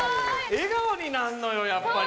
笑顔になんのよやっぱり。